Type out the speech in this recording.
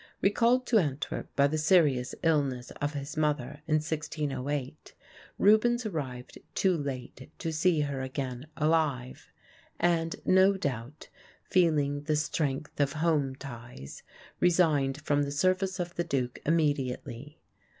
Recalled to Antwerp by the serious illness of his mother in 1608, Rubens arrived too late to see her again alive, and, no doubt feeling the strength of home ties, resigned from the service of the Duke immediately.